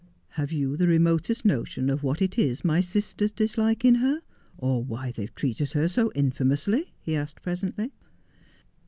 ' Have you the remotest notion of what it is my sisters dislike in her — or why they have treated her so infamously V he asked presently.